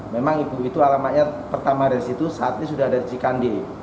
memang ibu itu alamannya pertama dari situ saat ini sudah ada cikandi